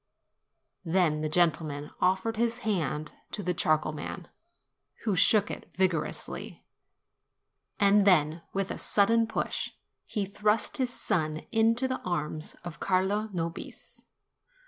Then the gentleman offered his hand to the char coal man, who shook it vigorously, and then, with a sudden push, he thrust his son into the arms of Carlo Nobis.